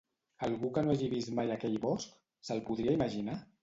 Algú que no hagi vist mai aquell bosc, se'l podria imaginar?